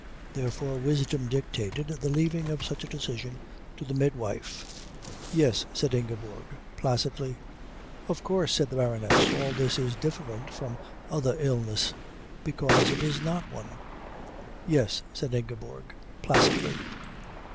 Therefore wisdom dictated the leaving of such a decision to the midwife. "Yes," said Ingeborg placidly. "Of course," said the Baroness, "all this is different from other illnesses, because it is not one." "Yes," said Ingeborg, placidly.